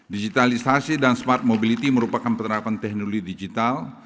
digitalisasi dan smart mobility merupakan penerapan teknologi digital